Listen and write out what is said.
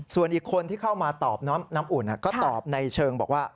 ส่วนอีกคนที่เข้ามาตอบน้ำอุ่นก็ตอบในเชิงบอกว่า